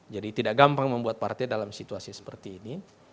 jadi tidak gampang membuat partai dalam situasi seperti ini